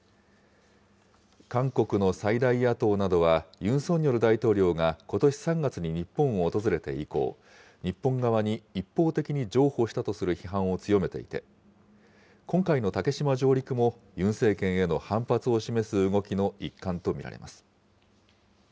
韓国の最大野党などは、ユン・ソンニョル大統領がことし３月に日本を訪れて以降、日本側に一方的に譲歩したとする批判を強めていて、今回の竹島上陸もユン政権への反発を示す動きの一環と見られます。